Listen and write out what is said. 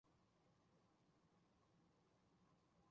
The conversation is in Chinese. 后来由单簧管手兼作曲家加以改良。